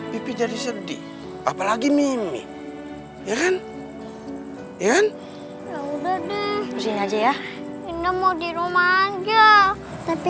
pipi jadi sedih apalagi mimi ya kan ya udah deh kesini aja ya nemu di rumah aja tapi